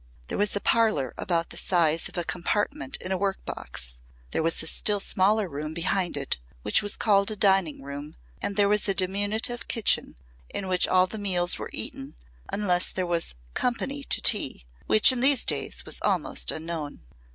There was a parlour about the size of a compartment in a workbox, there was a still smaller room behind it which was called a dining room and there was a diminutive kitchen in which all the meals were eaten unless there was "company to tea" which in these days was almost unknown.